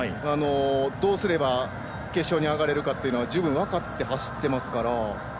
どうすれば決勝に上がれるかというのは十分分かって走ってますから。